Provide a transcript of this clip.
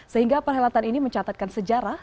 sehingga perhelatan ini mencatatkan sejarah